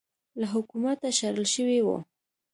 له حکومته شړل شوی و